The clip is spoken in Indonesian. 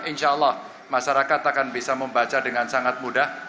insya allah masyarakat akan bisa membaca dengan sangat mudah